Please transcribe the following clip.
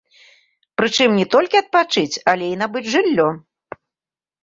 Прычым не толькі адпачыць, але і набыць жыллё.